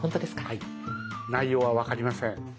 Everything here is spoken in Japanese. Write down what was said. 内容は分かりません。